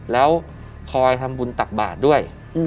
แล้วคอยทำบุญตักบาทด้วย